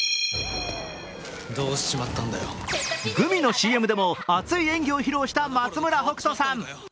グミのＣＭでも熱い演技を披露した松村北斗さん。